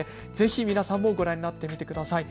皆さん、ぜひご覧になってみてください。